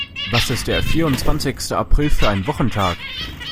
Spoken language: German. Was ist der vierundzwanzigste April für ein Wochentag?